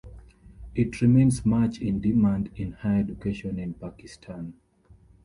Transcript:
It remains much in demand in higher education in Pakistan.